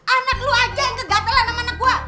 anak lu aja yang kegatelan sama anak gue